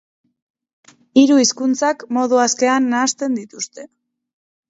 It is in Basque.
Hiru hizkuntzak modu askean nahasten dituzte.